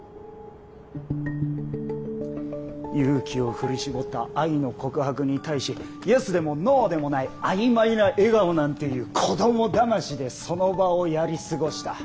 勇気を振り絞った愛の告白に対しイエスでもノーでもない曖昧な笑顔なんていう子どもだましでその場をやり過ごした。